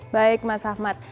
baik mas ahmad